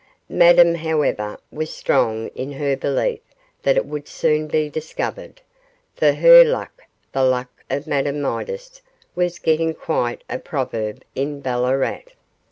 Madame, however, was strong in her belief that it would soon be discovered, for her luck the luck of Madame Midas was getting quite a proverb in Ballarat.